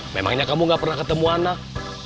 memangnya kamu gak pernah ketemu anak